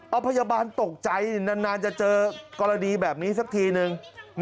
เอาพยาบาลตกใจนานจะเจอกรณีแบบนี้สักทีนึง